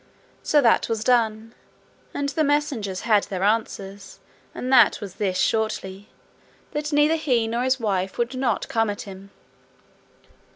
So that was done, and the messengers had their answers; and that was this shortly, that neither he nor his wife would not come at him.